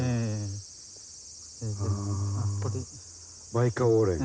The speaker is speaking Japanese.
バイカオウレン。